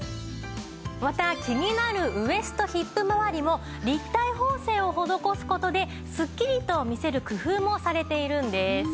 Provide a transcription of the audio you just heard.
また気になるウエストヒップ回りも立体縫製を施す事でスッキリと見せる工夫もされているんです。